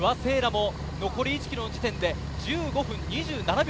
不破聖衣来も残り１ｋｍの時点で２５分２７秒。